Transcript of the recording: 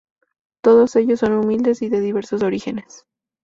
Todos ellos son humildes y de diversos orígenes.